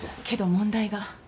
けど問題が。